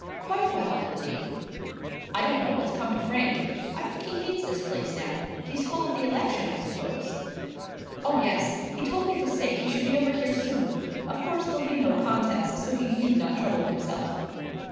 "Quite well, I believe." "I don't know what's come to Frank. I think he hates this place now. He's full of the election, I suppose." "Oh, yes; he told me to say he should be over here soon. Of course there'll be no contest, so he need not trouble himself."